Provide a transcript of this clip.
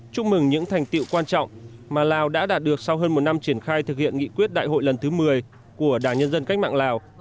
chúc mừng những thành tiệu quan trọng mà lào đã đạt được sau hơn một năm triển khai thực hiện nghị quyết đại hội lần thứ một mươi của đảng nhân dân cách mạng lào